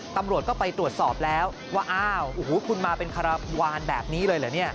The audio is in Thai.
ตำรวจก็ไปตรวจสอบแล้วว่าอ้าวคุณมาเป็นขระวานแบบนี้เลยเหรอ